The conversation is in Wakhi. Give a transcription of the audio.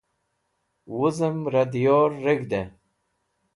Wuzem Ra Diyor Reg̃hde